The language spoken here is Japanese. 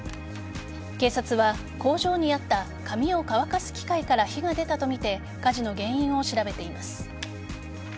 警察は、工場にあった紙を乾かす機械から火が出たとみて火事の原因を調べています。